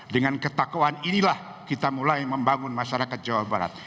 dengan ketakwaan inilah kita mulai membangun masyarakat jawa barat